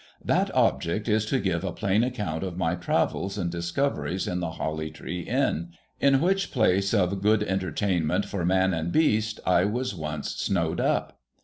That object is to give a plain account of my travels and dis coveries in the Holly Tree Inn ; in which place of good entertain ment for man and beast I was once snowed up.